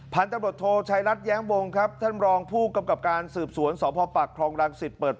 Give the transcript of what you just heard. ผันตำรวจโทรชัยรัฐแย้งวงครับท่านรองผู้กำกับการสืบสวนสอบภอปากครองรังสิบ